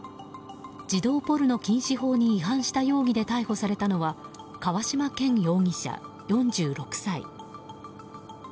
児童ポルノ禁止法に違反した容疑で逮捕されたのは河嶌健容疑者、４６歳。